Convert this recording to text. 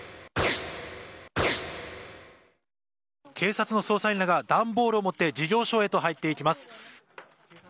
警察の捜査員らが段ボールを持って事業所へと入っていきます。